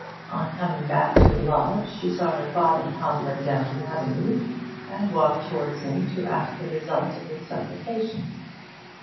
On coming back to the lodge she saw her father hobbling down the avenue, and walked towards him to ask the result of his supplication.